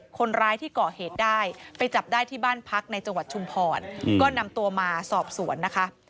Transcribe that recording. คนร้ายที่ก่อเหตุได้ไปจับได้ที่บ้านพักในจังหวัดชุมพรก็นำตัวมาสอบสวนนะคะ